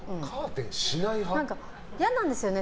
嫌なんですよね。